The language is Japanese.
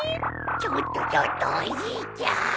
ちょっとちょっとおじいちゃん